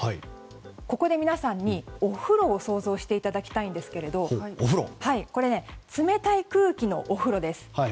ここで皆さんに、お風呂を想像していただきたいんですが冷たい空気のお風呂です。